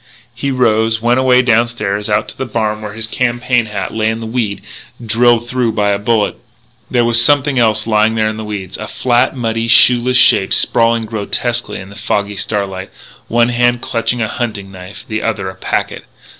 He rose, went away downstairs and out to the barn, where his campaign hat lay in the weed, drilled through by a bullet. There was something else lying there in the weeds, a flat, muddy, shoeless shape sprawling grotesquely in the foggy starlight. One hand clutched a hunting knife; the other a packet.